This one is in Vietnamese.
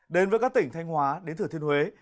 đến với các tỉnh thanh hóa đến thừa thiên huế